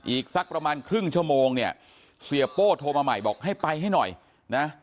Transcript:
อีกสักประมาณครึ่งชั่วโมงเนี่ยเสียโป้โทรมาใหม่บอกให้ไปให้หน่อยนะ